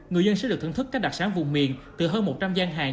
người dân sẽ được thưởng thức các đặc sản vùng miền từ hơn một trăm linh gian hàng